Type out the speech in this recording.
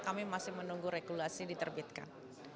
kami masih menunggu regulasi diterbitkan